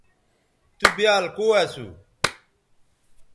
تُو بیال کو اسو